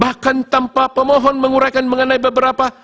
bahkan tanpa pemohon menguraikan mengenai beberapa